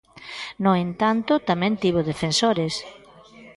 No entanto, tamén tivo defensores.